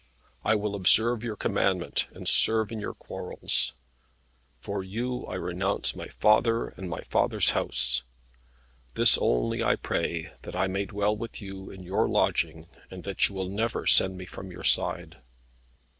I will observe your commandment, and serve in your quarrels. For you I renounce my father and my father's house. This only I pray, that I may dwell with you in your lodging, and that you will never send me from your side."